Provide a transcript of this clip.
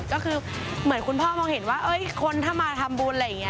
ก็คือเหมือนคุณพ่อมองเห็นว่าคนถ้ามาทำบุญอะไรอย่างนี้